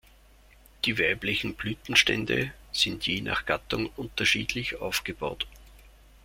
Die weiblichen Blütenstände sind je nach Gattung unterschiedlich aufgebaut.